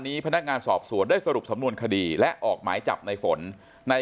พนักงานสอบสวนได้สรุปสำนวนคดีและออกหมายจับในฝนใน